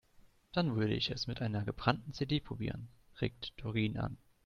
Dann würde ich es mit einer gebrannten CD probieren, regt Doreen an.